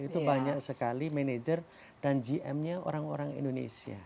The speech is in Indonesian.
itu banyak sekali manajer dan gm nya orang orang indonesia